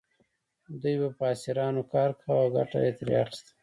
دوی به په اسیرانو کار کاوه او ګټه یې ترې اخیسته.